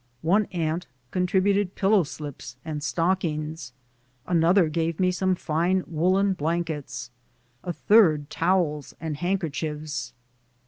One aunt contributed pillow slips and stockings ; another gave me some fine woolen blankets ; a third towels and handkerchiefs.